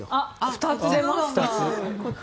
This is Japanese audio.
２つ出ました。